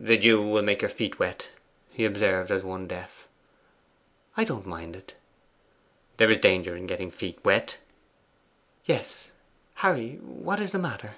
'The dew will make your feet wet,' he observed, as one deaf. 'I don't mind it.' 'There is danger in getting wet feet.' 'Yes...Harry, what is the matter?